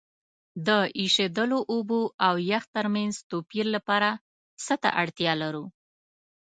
د ایشیدلو اوبو او یخ ترمنځ توپیر لپاره څه ته اړتیا لرو؟